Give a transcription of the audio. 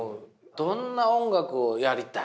どんな音楽をやりたい？